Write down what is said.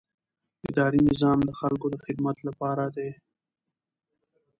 اداري نظام د خلکو د خدمت لپاره دی.